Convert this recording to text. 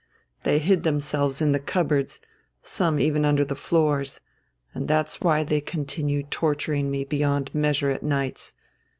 They hid themselves in the cupboards, some even under the floors, and that's why they continue torturing me beyond measure at nights.